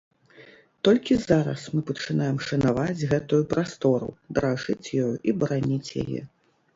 Толькі зараз мы пачынаем шанаваць гэтую прастору, даражыць ёю і бараніць яе.